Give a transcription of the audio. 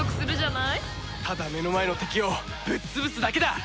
ただ目の前の敵をぶっ潰すだけだ！